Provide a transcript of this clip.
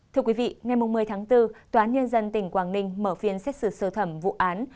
thưa quý vị ngày một mươi tháng bốn toán nhân dân tỉnh quang ninh mở phiên xét xử sơ thẩm vụ án